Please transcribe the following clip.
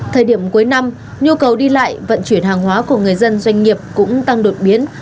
thời điểm cuối năm nhu cầu đi lại vận chuyển hàng hóa của người dân doanh nghiệp cũng tăng đột biến